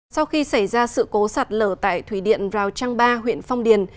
sau khi xảy ra sự cố sạt lở tại thủy điện rào trăng ba huyện phong điền